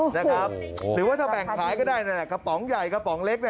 หรือว่าถ้าแบ่งขายก็ได้นั่นแหละกระป๋องใหญ่กระป๋องเล็ก